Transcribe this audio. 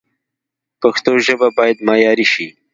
د پښتو ژبه باید معیاري شي